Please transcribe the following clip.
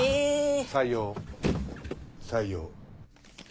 採用採用。